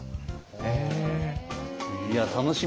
へえ。